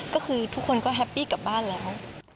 ก็คือทุกคนก็แฮปปี้กลับบ้านแล้ว